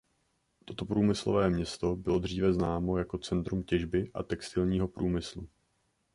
Toto průmyslové město bylo dříve známo jako centrum těžby a textilního průmyslu.